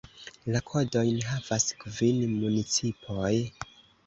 La kodojn havas kvin municipoj.